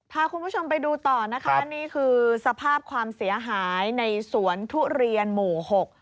พาคุณผู้ชมไปดูต่อนะคะนี่คือสภาพความเสียหายในสวนทุเรียนหมู่หก